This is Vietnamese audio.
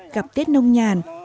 gặp tết nông nhàn